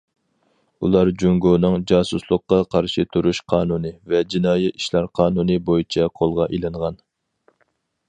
ئۇلار جۇڭگونىڭ« جاسۇسلۇققا قارشى تۇرۇش قانۇنى» ۋە« جىنايى ئىشلار قانۇنى» بويىچە قولغا ئېلىنغان.